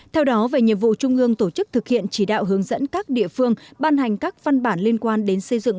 theo đó về nhiệm vụ trung ương tổ chức thực hiện chỉ đạo hướng dẫn các địa phương ban hành các văn bản liên quan đến xây dựng